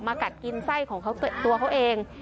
กัดกินไส้ของตัวเขาเอง